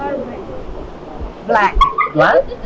apa makanan kegemaran kamu